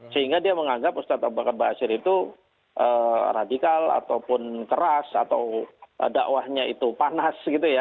sehingga dia menganggap ustadz abu bakar basir itu radikal ataupun keras atau dakwahnya itu panas gitu ya